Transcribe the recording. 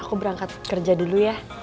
aku berangkat kerja dulu ya